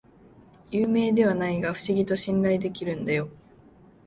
有名ではないが不思議と信頼できるんだよ